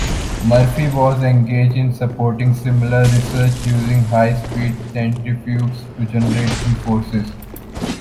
Murphy was engaged in supporting similar research using high speed centrifuges to generate g-forces.